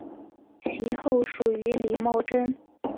其后属于李茂贞。